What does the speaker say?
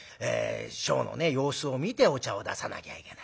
師匠の様子を見てお茶を出さなきゃいけない。